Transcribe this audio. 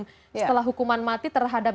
setelah hukuman mati terhadap